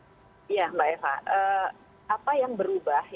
iya mbak eva apa yang berubah yang berubah adalah kemungkinan masuk ke kementerian perhubungan